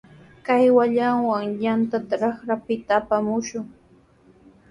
Kawalluwan yantata raqrapita apamushun.